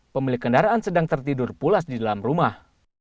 pemilik kendaraan sedang tertidur pulas di dalam rumah